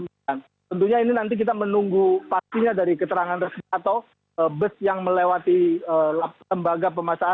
tentunya ini nanti kita menunggu pastinya dari keterangan resmi atau bus yang melewati lembaga pemasangan